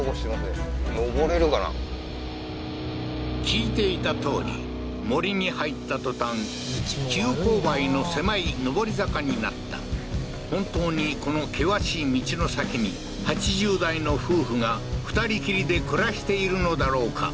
聞いていたとおり森に入った途端急勾配の狭い上り坂になった本当にこの険しい道の先に８０代の夫婦が２人きりで暮らしているのだろうか？